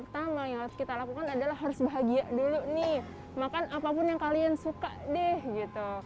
saya berkata ya tuhan kita harus bahagia dulu nih makan apapun yang kalian suka deh gitu